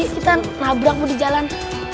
kita nabrak bu di jalan